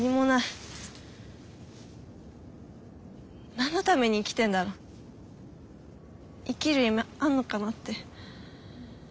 なんのために生きてんだろ生きる意味あんのかなって。